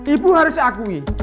ibu harus akui